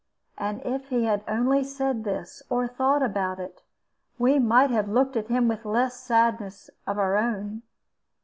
And if he had only said this, or thought about it, we might have looked at him with less sadness of our own.